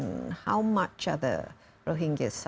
dan berapa banyak yang rohingya menderita